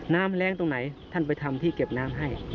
แรงตรงไหนท่านไปทำที่เก็บน้ำให้